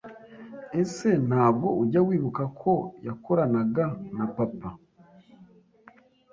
ese ntabwo ujya wibuka ko yakoranaga na Papa